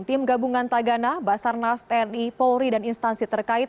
tim gabungan tagana basarnas tni polri dan instansi terkait